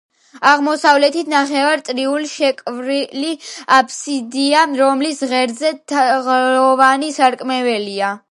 აღმოსავლეთით ნახევარწრიული შვერილი აბსიდია, რომლის ღერძზე თაღოვანი სარკმელია.